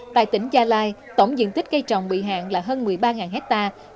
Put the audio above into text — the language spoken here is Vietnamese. tại tỉnh gia lai tổng diện tích cây trồng bị hạn là hơn một mươi ba hectare